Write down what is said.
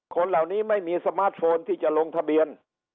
คนเหล่านี้ไม่มีสมาร์ทโฟนที่จะลงทะเบียน